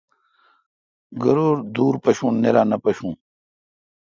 گرور دور پشوں، نییرا نہ پݭوں۔